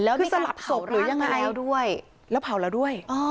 คือสลับศพหรือยังไงแล้วเผาแล้วด้วยอ๋อ